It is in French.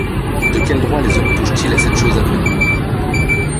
De quel droit les hommes touchent-ils à cette chose inconnue?